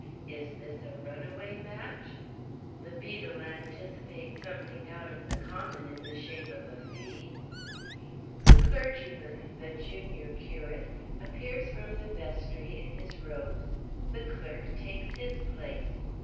Is this a runaway match? The beadle anticipates something out of the common in the shape of a fee. The clergyman (the junior curate) appears from the vestry in his robes. The clerk takes his place.